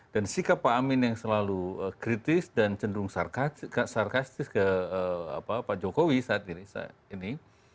dan sikap pak amin yang selalu kritis dan cenderung sarkastis ke pak jokowi saat ini